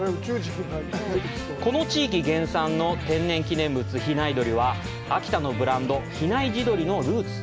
この地域原産の天然記念物「比内鶏」は、秋田のブランド「比内地鶏」のルーツ。